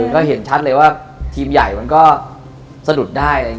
ก็เห็นชัดเลยว่าทีมใหญ่มันก็สะดุดได้